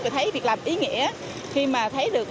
và thấy việc làm ý nghĩa